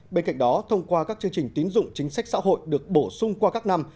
bên cạnh đó thông qua các chương trình tín dụng chính sách xã hội được bổ sung qua các năm